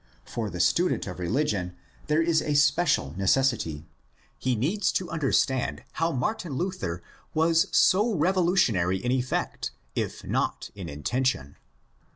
For the student of religion there is a special necessity. He needs to comprehend how Martin Luther was so revolutionary in effect, if not in intention.